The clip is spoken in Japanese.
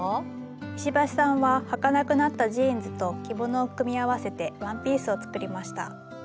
石橋さんははかなくなったジーンズと着物を組み合わせてワンピースを作りました。